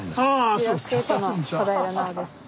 スピードスケートの小平奈緒です。